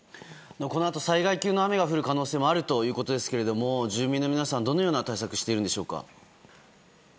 このあと災害級の雨が降る可能性もあるということですが住民の皆さん、どのような対策をしているでしょうか。